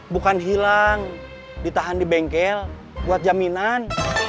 bukan hilang ditahan di bengkel buat jaminan